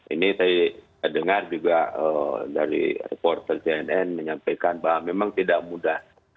ini saya dengar juga dari reporter cnn menyampaikan bahwa memang tidak mudah